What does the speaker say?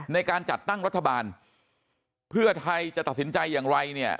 ในการจัดตั้งรัฐบาลเพื่อไทยจะตัดสินใจอย่างไรเนี่ย